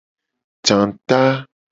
Janguta.